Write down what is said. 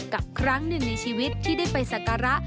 ครั้งหนึ่งในชีวิตที่ได้ไปสักการะ